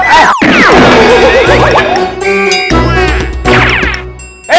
eh ada handphone